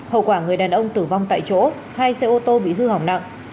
hậu quả người đàn ông tử vong tại chỗ hai xe ô tô bị hư hỏng nặng